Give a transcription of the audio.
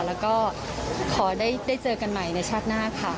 แล้วก็ขอได้เจอกันใหม่ในชาติหน้าค่ะ